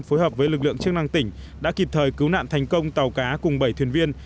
phối hợp với lực lượng chức năng tỉnh đã kịp thời cứu nạn thành công tàu cá cùng bảy thuyền viên